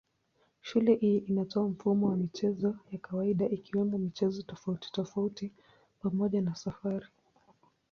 Shule hii inatoa mfumo wa michezo ya ziada ikiwemo michezo tofautitofauti pamoja na safari.